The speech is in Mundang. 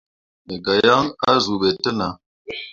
Me gah yaŋ azuu ɓe te nah.